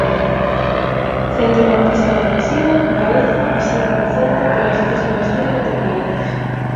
Centrocampista ofensivo, Baeza asina co Celta polas próximas cinco temporadas.